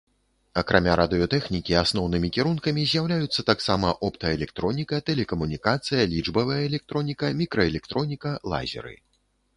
Акрамя радыётэхнікі асноўнымі кірункамі з'яўляюцца таксама оптаэлектроніка, тэлекамунікацыя, лічбавая электроніка, мікраэлектроніка, лазеры.